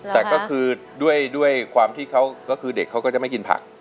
แต่ก็คือด้วยความที่เด็กเขาก็จะไม่กินผัก